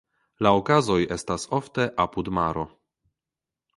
La okazoj estas ofte apud maro.